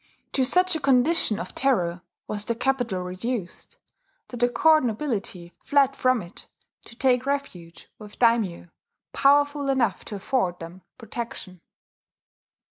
To such a condition of terror was the capital reduced that the court nobility fled from it to take refuge with daimyo powerful enough to afford them protection.